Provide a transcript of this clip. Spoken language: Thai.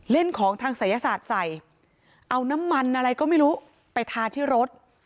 ของทางศัยศาสตร์ใส่เอาน้ำมันอะไรก็ไม่รู้ไปทาที่รถ